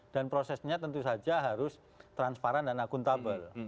dan prosesnya tentu saja harus transparan dan akuntabel